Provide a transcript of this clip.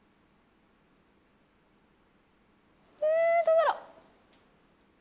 どうだろう？